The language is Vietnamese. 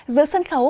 giữa sân khấu